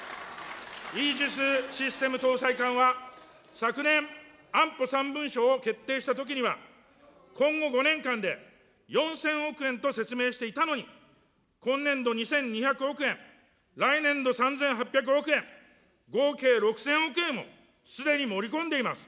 イージスシステム搭載艦は昨年、安保３文書を決定したときには、今後５年間で４０００億円と説明していたのに、今年度２２００億円、来年度３８００億円、合計６０００億円をすでに盛り込んでいます。